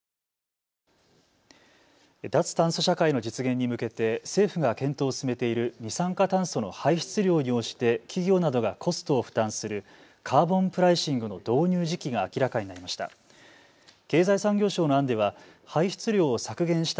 脱炭素社会の実現に向けて政府が検討を進めている二酸化炭素の排出量に応じて企業などがコストを負担するカーボンプライシングの導入時期が明らかになりました。